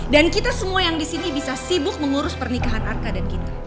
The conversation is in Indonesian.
dan kita semua yang di sini bisa sibuk mengurus pernikahan arka dan ginta